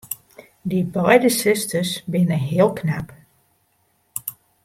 Dy beide susters binne heel knap.